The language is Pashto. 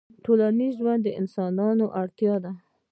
ټولنیز ژوند د انسانانو اړتیا ده